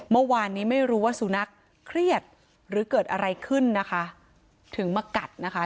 เมื่อวานนี้ไม่รู้ว่าสุนัขเครียดหรือเกิดอะไรขึ้นนะคะถึงมากัดนะคะ